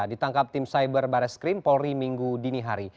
ditangkap tim cyber baris krim polri minggu dini hari